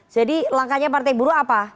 jadi langkahnya partai buruh apa